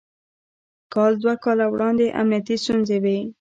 کال دوه کاله وړاندې امنيتي ستونزې وې.